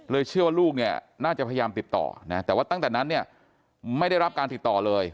เชื่อว่าลูกเนี่ยน่าจะพยายามติดต่อนะแต่ว่าตั้งแต่นั้นเนี่ยไม่ได้รับการติดต่อเลย